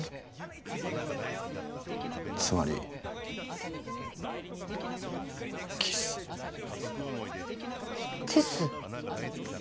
つまりキスキス？